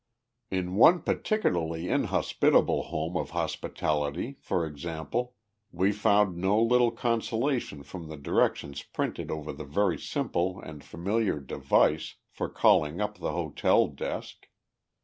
In one particularly inhospitable home of hospitality, for example, we found no little consolation from the directions printed over the very simple and familiar device for calling up the hotel desk.